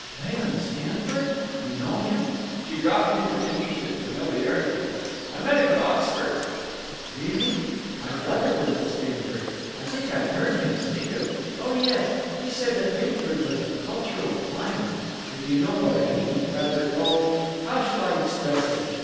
"Leland Stanford? You know him?" She dropped into interested familiarity. "I met him at Oxford." "Really?… My brother was at Stanford. I think I've heard him speak of—Oh yes. He said that Mittyford was a cultural climber, if you know what I mean; rather—oh, how shall I express it?